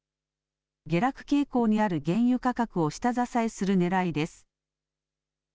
下落傾向にある原油価格を下支えするねらいです。